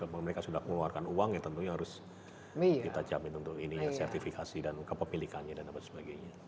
kalau mereka sudah mengeluarkan uang ya tentunya harus kita jamin untuk ini ya sertifikasi dan kepemilikannya dan apa sebagainya